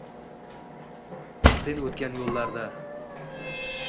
Sen o’tgan yo’llarda